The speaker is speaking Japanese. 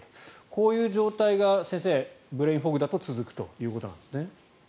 こういう状態が先生、ブレインフォグだと続くということなんですね。